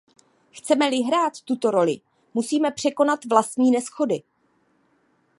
Chceme-li hrát tuto roli, musíme překonat vlastní neshody.